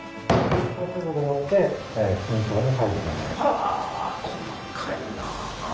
はあ細かいなあ。